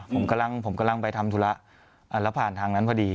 ผมกำลังไปทำธุระแล้วผ่านทางนั้นพอดี